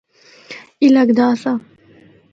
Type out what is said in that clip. اے لگدا آسا۔